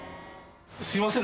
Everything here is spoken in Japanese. すみません